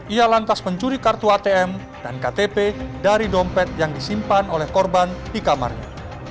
ia lantas mencuri kartu atm dan ktp dari dompet yang disimpan oleh korban di kamarnya